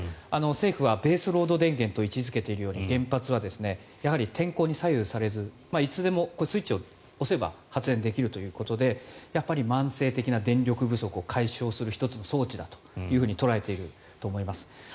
政府はベースロード電源と位置付けているように原発はやはり天候に左右されずいつでもスイッチを押せば発電できるということで慢性的な電力不足を解消する１つの装置だと捉えていると思います。